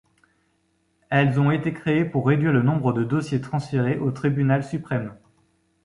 Elles ont été créées pour réduire le nombre de dossier transférés au Tribunal suprême.